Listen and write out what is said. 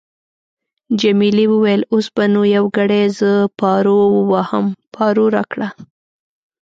جميلې وويل:: اوس به نو یو ګړی زه پارو وواهم، پارو راکړه.